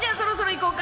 そろそろいこうか。